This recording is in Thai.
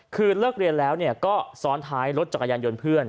คือเลิกเรียนแล้วก็ซ้อนท้ายรถจักรยานยนต์เพื่อน